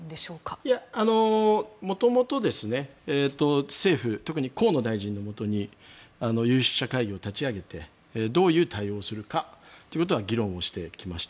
いや、元々、政府特に河野大臣のもとに有識者会議を立ち上げてどういう対応をするかということは議論をしてきました。